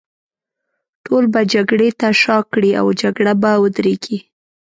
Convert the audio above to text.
ټول به جګړې ته شا کړي، او جګړه به ودرېږي.